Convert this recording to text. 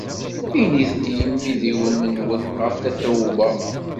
Init i yimidiwen-nwen ɣef Tatoeba.